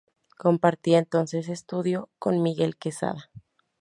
Compartía entonces estudio con Miguel Quesada.